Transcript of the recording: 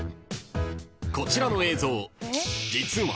［こちらの映像実は］